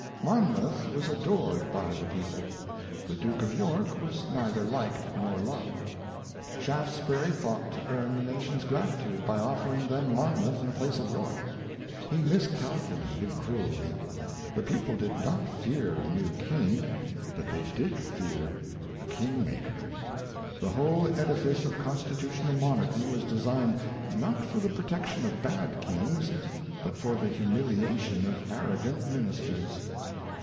Monmouth was adored by the people ; the Duke of York was neither liked nor loved. Shaftesbury thought to earn the nation's gratitude by offering them Monmouth in place of York. He miscalculated cruelly ; the people did not fear a new King ; but they did fear a Kingmaker. The whole edifice of constitutional monarchy was designed not for the pro tection of bad kings, but for the humiliation of arrogant ministers.